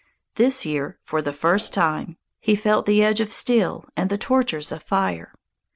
This year, for the first time, he felt the edge of steel and the tortures of fire.